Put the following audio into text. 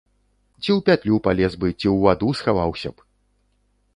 Ці ў пятлю палез бы, ці ў ваду схаваўся б!